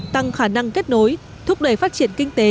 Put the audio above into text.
tăng khả năng kết nối thúc đẩy phát triển kinh tế